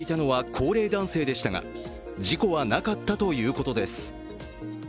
運転していたのは高齢男性でしたが事故はなかったということです。